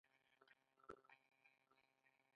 فروردین د کال لومړۍ میاشت ده.